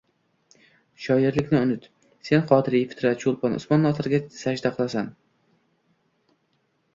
Shoirlikni unut. Sen Qodiriy, Fitrat, Cho‘lpon, Usmon Nosirga sajda qilasan.